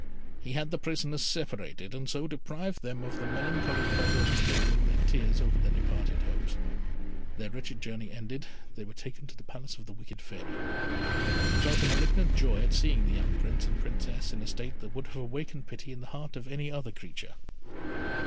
He had the prisoners separated, and so deprived them of the melancholy pleasure of mingling their tears over their departed hopes. Their wretched journey ended, they were taken to the palace of the wicked Fairy. She felt a malignant joy at seeing the young Prince and Princess in a state that would have awakened pity in the heart of any other creature.